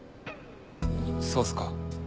そうっすか？